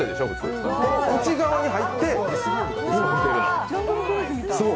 内側に入って見れるの。